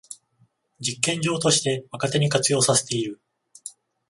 実験場として若手に活用させている